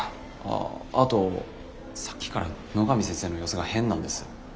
ああとさっきから野上先生の様子が変なんです。